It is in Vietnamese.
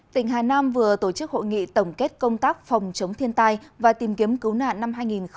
tỉnh hà nam vừa tổ chức hội nghị tổng kết công tác phòng chống thiên tai và tìm kiếm cứu nạn năm hai nghìn một mươi chín